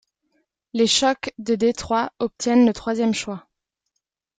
Les Shock de Détroit obtiennent le troisième choix.